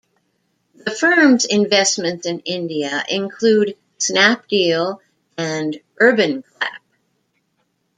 The firm's investments in India include Snapdeal and UrbanClap.